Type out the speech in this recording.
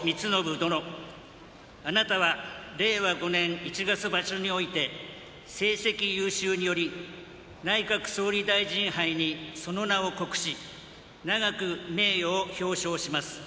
殿あなたは令和５年一月場所において成績優秀により内閣総理大臣杯にその名を刻し永く名誉を表彰します